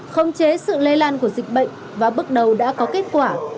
không chế sự lây lan của dịch bệnh và bước đầu đã có kết quả